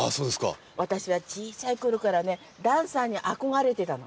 私は小さいころからダンサーに憧れてたの。